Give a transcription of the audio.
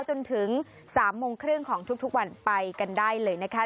จนถึง๓โมงครึ่งของทุกวันไปกันได้เลยนะคะ